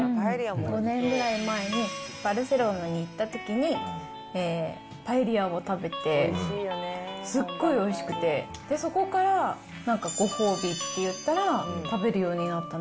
５年ぐらい前に、バルセロナに行ったときに、パエリアを食べて、すっごいおいしくて、そこからなんか、ご褒美っていったら食べるようになったね。